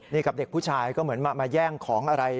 นี่กับเด็กผู้ชายก็เหมือนมาแย่งของอะไร